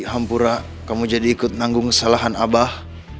hampura kamu jadi ikut nanggung kesalahan abah